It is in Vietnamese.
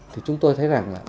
thì chúng tôi thấy rằng